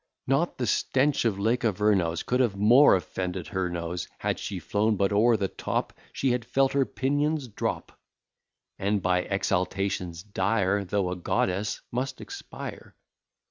Not the stench of Lake Avernus Could have more offended her nose; Had she flown but o'er the top, She had felt her pinions drop. And by exhalations dire, Though a goddess, must expire.